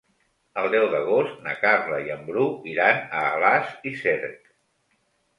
El deu d'agost na Carla i en Bru iran a Alàs i Cerc.